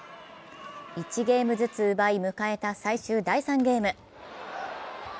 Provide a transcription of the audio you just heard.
１ゲームずつ奪い迎えた最終第３ゲーム。